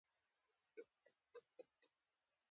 رښتیا ویل د زړهورتیا نښه ده.